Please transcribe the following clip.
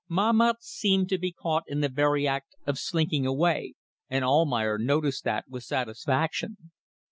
Mahmat seemed to be caught in the very act of slinking away, and Almayer noticed that with satisfaction.